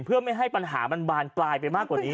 เพื่อไม่ให้ปัญหามันบานปลายไปมากกว่านี้